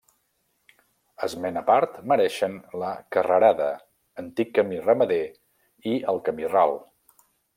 Esment a part mereixen la Carrerada, antic camí ramader, i el Camí Ral.